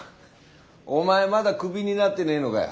お前まだクビになってねえのかよ。